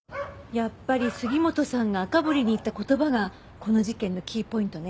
やっぱり杉本さんが赤堀に言った言葉がこの事件のキーポイントね。